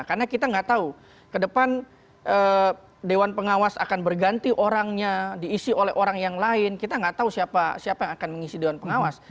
karena kita tidak tahu ke depan dewan pengawas akan berganti orangnya diisi oleh orang yang lain kita tidak tahu siapa yang akan mengisi dewan pengawas